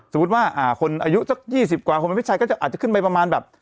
สมมุติว่าคนอายุสัก๒๐กว่าโฮโมนเพศชายก็อาจจะขึ้นไปประมาณ